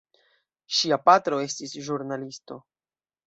Ŝia patro estis ĵurnalisto.